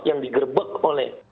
yang digerbek oleh